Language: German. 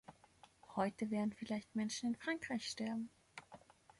Heute werden vielleicht Menschen in Frankreich sterben.